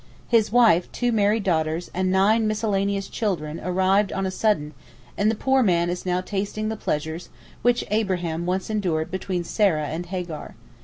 His wife, two married daughters and nine miscellaneous children arrived on a sudden, and the poor man is now tasting the pleasures which Abraham once endured between Sarah and Hagar.